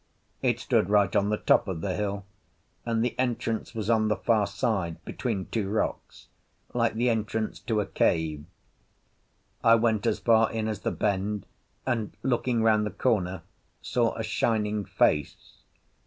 It stood right on the top of the hill, and the entrance was on the far side, between two rocks, like the entrance to a cave. I went as far in as the bend, and, looking round the corner, saw a shining face.